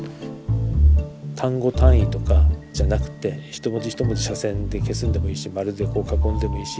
単語単位とかじゃなくて一文字一文字斜線で消すんでもいいし丸でこう囲んでもいいし。